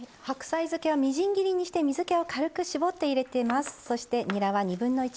白菜漬けはみじん切りにして水けを軽く絞って入れてます。